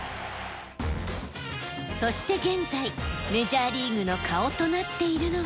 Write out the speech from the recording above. そして現在メジャーリーグの顔となっているのが。